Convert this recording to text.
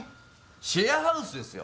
シェアハウスですよ。